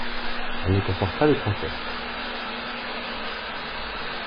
Elle ne comporte pas de transept.